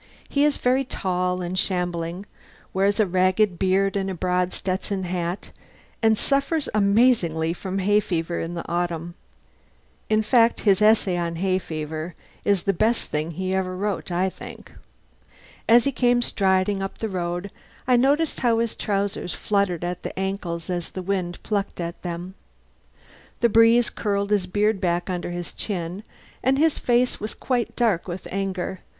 He is very tall and shambling, wears a ragged beard and a broad Stetson hat, and suffers amazingly from hay fever in the autumn. (In fact, his essay on "Hay Fever" is the best thing he ever wrote, I think.) As he came striding up the road I noticed how his trousers fluttered at the ankles as the wind plucked at them. The breeze curled his beard back under his chin and his face was quite dark with anger.